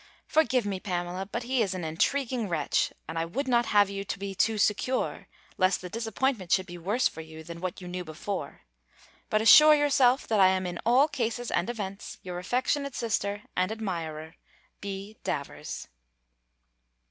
Forgive me, Pamela; but he is an intriguing wretch, and I would not have you to be too secure, lest the disappointment should be worse for you, than what you knew before: but assure yourself, that I am in all cases and events, your affectionate sister and admirer, B. DAVERS.